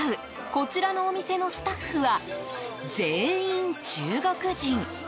こちらのお店のスタッフは全員中国人。